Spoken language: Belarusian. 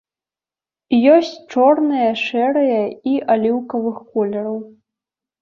Ёсць чорныя, шэрыя і аліўкавых колераў.